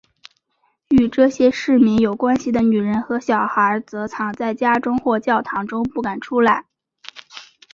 与这些市民有关系的女人和小孩则藏在家中或教堂中不敢出来。